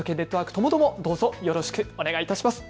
ともどもどうぞよろしくお願いいたします。